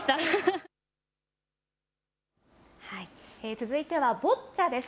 続いてはボッチャです。